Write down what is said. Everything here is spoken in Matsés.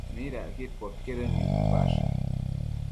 ¿Midacquid podquedën nidpash?